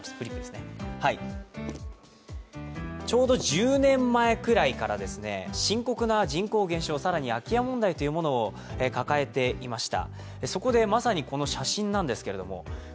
ちょうど１０年前くらいから深刻な人口減少、更に空き家問題というものを抱えていました。